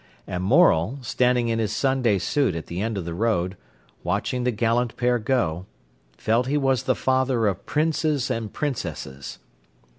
And Morel, standing in his Sunday suit at the end of the road, watching the gallant pair go, felt he was the father of princes and princesses.